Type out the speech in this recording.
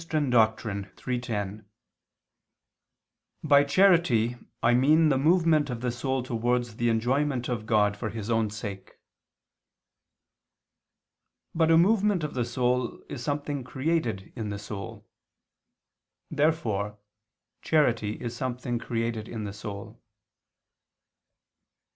iii, 10): "By charity I mean the movement of the soul towards the enjoyment of God for His own sake." But a movement of the soul is something created in the soul. Therefore charity is something created in the soul.